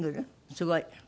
すごい。